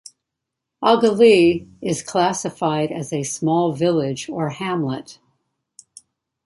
Aghalee is classified as a Small Village or Hamlet.